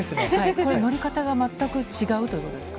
これ、乗り方が全く違うということですか？